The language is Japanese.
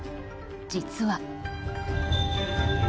実は。